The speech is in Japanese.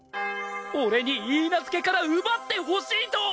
俺に許嫁から奪ってほしいと！